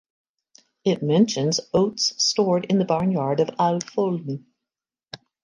It mentions oats stored in the barn yard of "Auld Foulden".